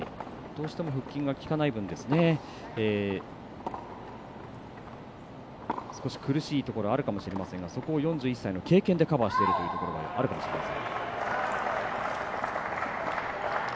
どうしても腹筋がきかない分少し苦しいところがあるかもしれませんがそこは４１歳の経験でカバーしているというところがあるかもしれません。